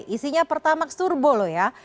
isinya pertamax turbo loh ya